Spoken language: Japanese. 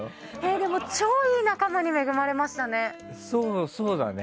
でも、ちょういい仲間に恵まれましたね。